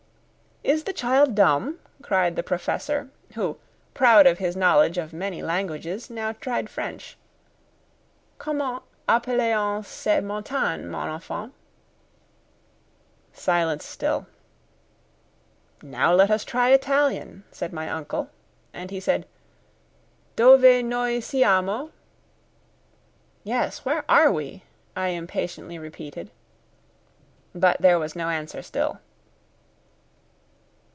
"Is the child dumb?" cried the Professor, who, proud of his knowledge of many languages, now tried French: "Comment appellet on cette montagne, mon enfant?" Silence still. "Now let us try Italian," said my uncle; and he said: "Dove noi siamo?" "Yes, where are we?" I impatiently repeated. But there was no answer still.